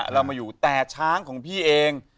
เรามาอยู่แต่ช้างของพี่เอง